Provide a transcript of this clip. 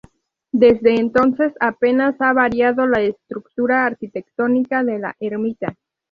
Desde entonces, apenas ha variado la estructura arquitectónica de la ermita.